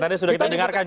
tadi sudah kita dengarkan